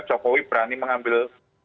jokowi berani mengambil